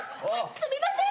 すみません！